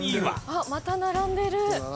「あっまた並んでる！」